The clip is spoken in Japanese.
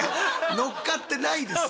乗っかってないの？